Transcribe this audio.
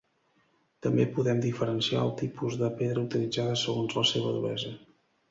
També podem diferenciar el tipus de pedra utilitzada segons la seva duresa.